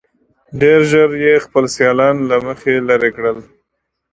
ډېر ژر خپل سیالان له مخې لرې کړل.